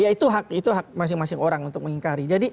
itu hak masing masing orang untuk mengingkari